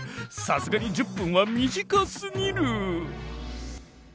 さすがに１０分は短すぎる。